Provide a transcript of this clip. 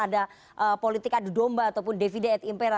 ada politik adu domba ataupun devide et impera